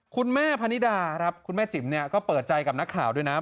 คุณแม่พนิดาครับคุณแม่จิ๋มเนี่ยก็เปิดใจกับนักข่าวด้วยนะ